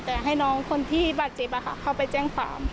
แต่ให้น้องคนที่บาดเจ็บเข้าไปแจ้งความ